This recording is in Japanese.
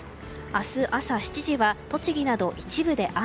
明日朝７時は栃木など一部で雨。